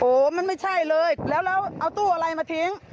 โถอมันไม่ใช่เลยแล้วเอาตู้อะไรมาถึง